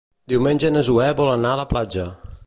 Diumenge na Zoè vol anar a la platja.